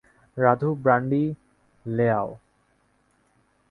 Radhu, brandy লে আও।